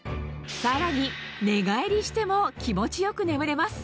さらに寝返りしても気持ち良く眠れます